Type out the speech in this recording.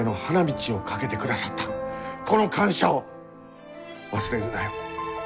この感謝を忘れるなよ。